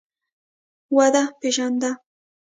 ودې پېژانده.